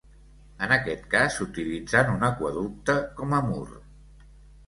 En aquest cas utilitzant un aqüeducte com a mur.